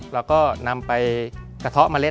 เราก็นำไปกระเทาะเมล็